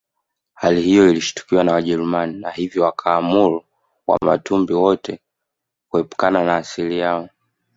Hali hiyo ilishtukiwa na Wajerumani na hivyo wakaamuru Wamatumbi wote kuepukana na asili yao